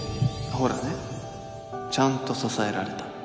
ほらねちゃんと支えられた